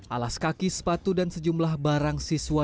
alas kaki sepatu dan sejumlah barang siswa